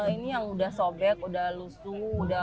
ini yang sudah sobek sudah lusuk